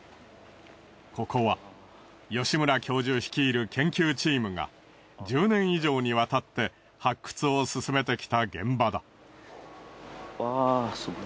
ここは吉村教授率いる研究チームが１０年以上にわたって発掘を進めてきた現場だ。わすごい。